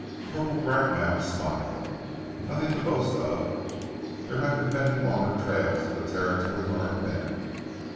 Corporal Bracknell smiled. "Nothing to boast of. There have been many longer trails in the Territory by our men.